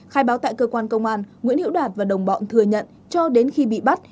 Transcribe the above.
khai báo tại cơ quan công an nguyễn hiệu đạt và đồng bọn thừa nhận cho đến khi bị bắt